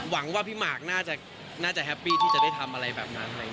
หวังว่าพี่มาร์คน่าจะน่าจะแฮปปี้ที่จะได้ทำอะไรแบบนั้น